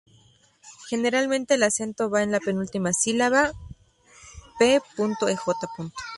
Generalmente el acento va en la penúltima sílaba, p.ej.